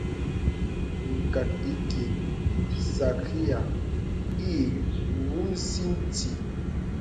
Ŋkàt ikī sàkryāy ǐ wùmsì nti.